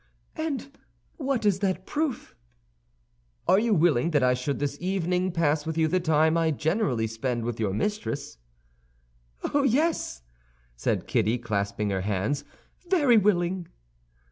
"And what is that proof?" "Are you willing that I should this evening pass with you the time I generally spend with your mistress?" "Oh, yes," said Kitty, clapping her hands, "very willing."